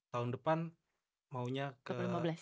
tahun depan maunya ke